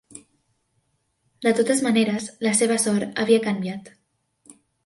De totes maneres, la seva sort havia canviat.